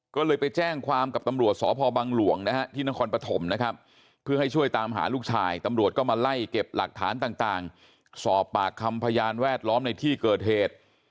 ก็เลยไปแจ้งความกับตำรวจสพบังหลวงนะฮะที่นครปฐมนะครับเพื่อให้ช่วยตามหาลูกชายตำรวจก็มาไล่เก็บหลักฐานต่างสอบปากคำพยานแวดล้อมในที่เกิดเหตุ